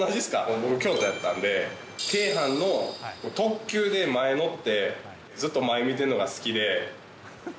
僕、京都やったんで、京阪の特急で前乗って、ずっと前見てるのが好きで。